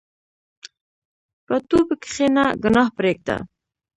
په توبې کښېنه، ګناه پرېږده.